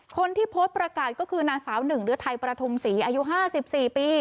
คนที่โพสต์ประกาศก็คือนางสาวหนึ่งฤทัยประทุมศรีอายุ๕๔ปี